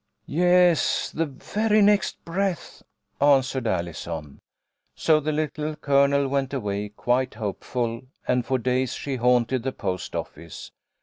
"Yes, the very next breath," answered Allison. So the Little Colonel went away quite hopeful, and for days she haunted the post office.